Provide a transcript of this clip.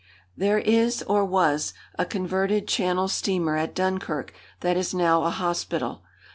There is, or was, a converted Channel steamer at Dunkirk that is now a hospital.